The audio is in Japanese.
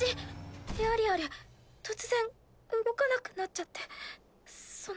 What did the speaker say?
エアリアル突然動かなくなっちゃってその。